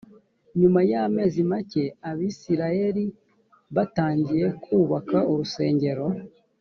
nyuma y amezi make abisirayeli batangiye kubaka urusengero